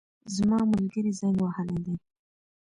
زما ملګري زنګ وهلی دی